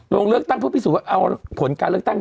ลงเลือกตั้งเพื่อพิสูจน์ว่าเอาผลการเลือกตั้ง